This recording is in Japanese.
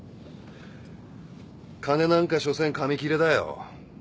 金なんかしょせん紙切れだよ。